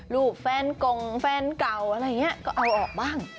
รูปแฟนกงแฟนเก่าอะไรเงี้ยก็เอาออกบ้าง